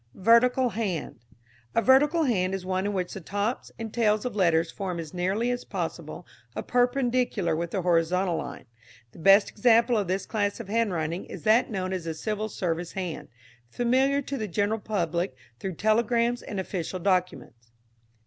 Vertical Hand. A vertical hand is one in which the tops and tails of letters form as nearly as possible a perpendicular with the horizontal line. The best example of this class of handwriting is that known as the Civil Service hand, familiar to the general public through telegrams and official documents.